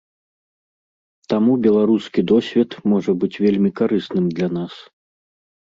Таму беларускі досвед можа быць вельмі карысным для нас.